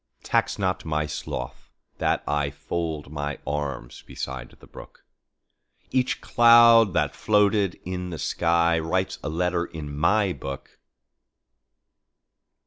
Tax not my sloth that IFold my arms beside the brook; Each cloud that floated in the skyWrites a letter in my book.